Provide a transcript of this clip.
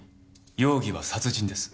容疑は殺人です。